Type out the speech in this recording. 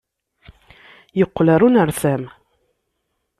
Yeqqel ɣer unersam.